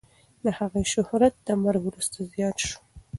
د هغې شهرت د مرګ وروسته زیات شو.